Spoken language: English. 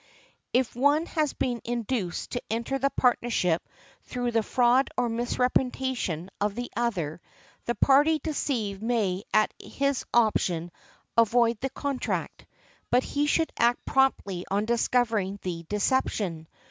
If one has been induced to enter the partnership through the fraud or misrepresentation of the other, the party deceived may at his option avoid the contract. But he should act promptly on discovering the deception.